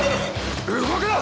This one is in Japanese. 動くな！